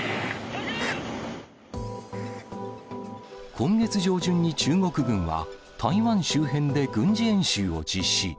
今月上旬に中国軍は、台湾周辺で軍事演習を実施。